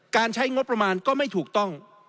ใช้งบประมาณก็ไม่ถูกต้อง